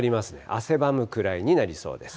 汗ばむくらいになりそうです。